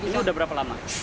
ini udah berapa lama